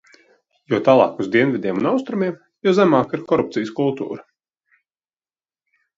Jo tālāk uz dienvidiem un austrumiem, jo zemāka ir korupcijas kultūra.